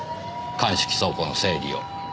鑑識倉庫の整理を。